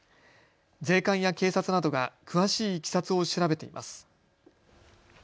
税関や警察などが詳しいいきさつを調べています。